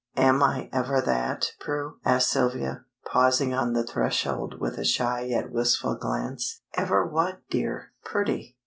"Am I ever that, Prue?" asked Sylvia, pausing on the threshold with a shy yet wistful glance. "Ever what, dear?" "Pretty?"